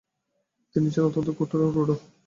তিনি ছিলেন অত্যন্ত কঠোর ও রূঢ়।